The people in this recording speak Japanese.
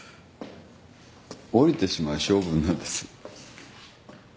おりてしまう性分なんです。